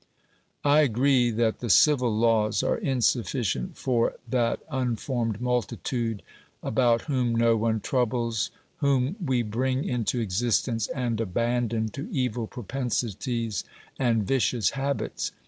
I agree that the civil laws are insufficient for that un formed multitude, about wliom no one troubles, whom we bring into existence and abandon to evil propensities and vicious habits.